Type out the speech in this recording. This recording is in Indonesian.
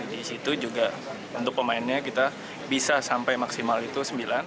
di situ juga untuk pemainnya kita bisa sampai maksimal itu sembilan